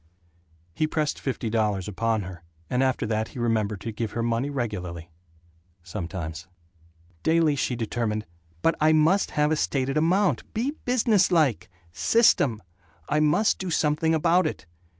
He pressed fifty dollars upon her, and after that he remembered to give her money regularly ... sometimes. Daily she determined, "But I must have a stated amount be business like. System. I must do something about it."